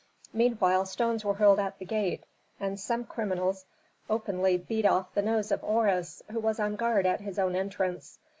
Meanwhile stones were hurled at the gate, and some criminals openly beat off the nose of Horus who was on guard at his own entrance.